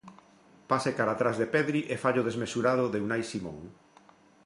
Pase cara atrás de Pedri e fallo desmesurado de Unai Simón.